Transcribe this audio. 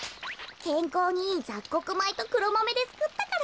けんこうにいいざっこくまいとくろマメでつくったから。